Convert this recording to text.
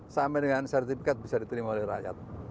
sampai dengan sertifikat bisa diterima oleh rakyat